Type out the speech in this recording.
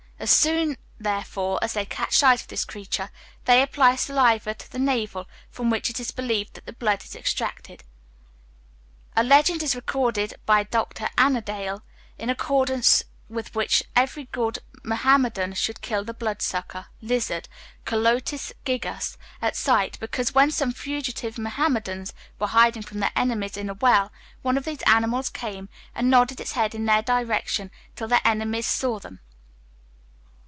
As soon, therefore, as they catch sight of this creature, they apply saliva to the navel, from which it is believed that the blood is extracted. A legend is recorded by Dr Annandale, in accordance with which every good Muhammadan should kill the blood sucker (lizard), Calotes gigas, at sight, because, when some fugitive Muhammadans were hiding from their enemies in a well, one of these animals came and nodded its head in their direction till their enemies saw them.